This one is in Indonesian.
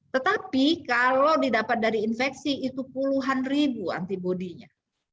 tetapi kalau didapat dari infeksi itu puluhan ribu antibody nya